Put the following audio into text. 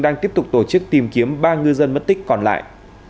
đang tiếp tục tổ chức tìm kiếm ba ngư dân mất tích còn lại